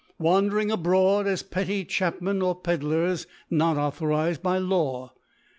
Wandering abroad as pctry Chapmen or Pedlars, not authorized by Law.